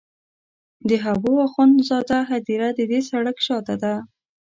د حبو اخند زاده هدیره د دې سړک شاته ده.